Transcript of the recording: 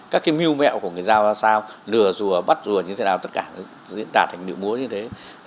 các mưu mẹo của người giao ra sao lừa rùa bắt rùa như thế nào tất cả diễn tả thành địa múa như thế